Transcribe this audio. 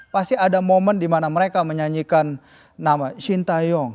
pasti ada momen di mana mereka menyanyikan nama shin taeyong